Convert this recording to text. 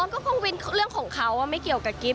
ก็คงวินเรื่องของเขาไม่เกี่ยวกับกิ๊บ